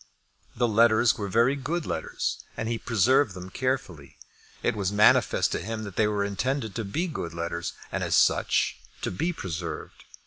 The letters were very good letters, and he preserved them carefully. It was manifest to him that they were intended to be good letters, and, as such, to be preserved.